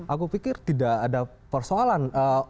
aku pikir tidak ada persoalan